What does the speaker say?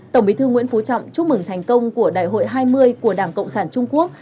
tổng bí thư nguyễn phú trọng chúc mừng thành công của đại hội hai mươi của đảng cộng sản trung quốc